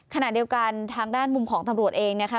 ขณะเดียวกันทางด้านมุมของตำรวจเองนะคะ